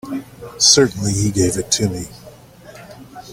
Certainly he gave it to me.